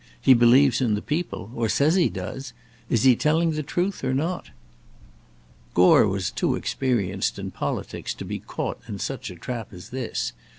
He believes in the people, or says he does. Is he telling the truth or not?" Gore was too experienced in politics to be caught in such a trap as this.